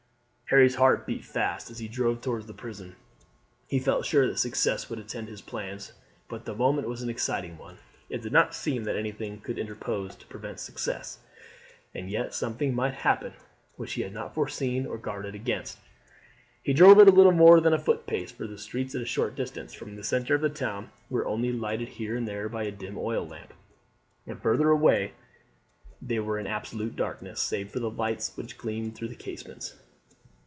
Harry's heart beat fast as he drove towards the prison. He felt sure that success would attend his plans; but the moment was an exciting one. It did not seem that anything could interpose to prevent success, and yet something might happen which he had not foreseen or guarded against. He drove at a little more than a footpace, for the streets a short distance from the centre of town were only lighted here and there by a dim oil lamp, and further away they were in absolute darkness, save for the lights which gleamed through the casements.